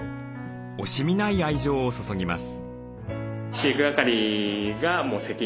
惜しみない愛情を注ぎます。